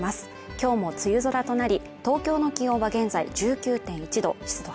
今日も梅雨空となり東京の気温は現在１９．１度湿度８１％